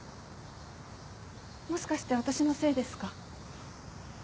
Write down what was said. もしかして私のせいですか？